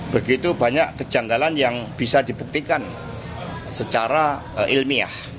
begitu banyak kejanggalan yang bisa dibuktikan secara ilmiah